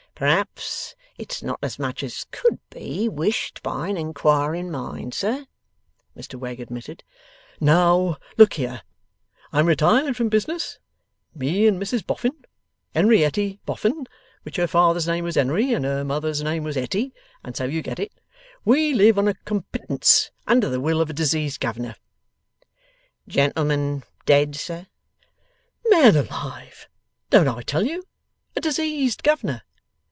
'Perhaps it's not as much as could be wished by an inquiring mind, sir,' Mr Wegg admitted. 'Now, look here. I'm retired from business. Me and Mrs Boffin Henerietty Boffin which her father's name was Henery, and her mother's name was Hetty, and so you get it we live on a compittance, under the will of a diseased governor.' 'Gentleman dead, sir?' 'Man alive, don't I tell you? A diseased governor?